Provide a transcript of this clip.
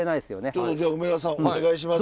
ちょっとじゃあ梅沢さんお願いします。